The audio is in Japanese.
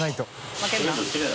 負けるな。